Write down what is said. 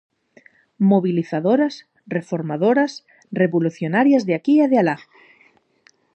Mobilizadoras, reformadoras, revolucionarias de aquí e de alá.